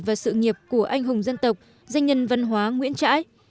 và sự nghiệp của anh hùng dân tộc danh nhân văn hóa nguyễn trãi